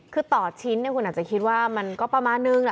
คือต่อชิ้นคุณอาจจะคิดว่ามันก็ประมาณนึง